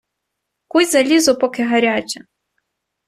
Куй залізо, поки гаряче!